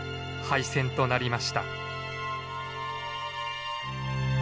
廃線となりました。